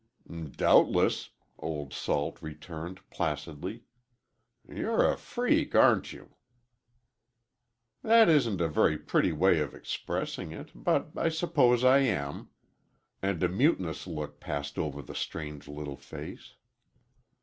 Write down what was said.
"Doubtless," Old Salt returned, placidly. "You're a freak—aren't you?" "That isn't a very pretty way of expressing it, but I suppose I am," and a mutinous look passed over the strange little face.